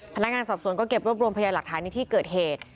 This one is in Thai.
พนักงานสอบสวนก็เก็บรวบรวมพยานหลักฐานในที่เกิดเหตุ